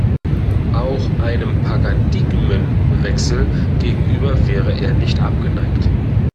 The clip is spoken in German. Auch einem Paradigmenwechsel gegenüber wäre er nicht abgeneigt.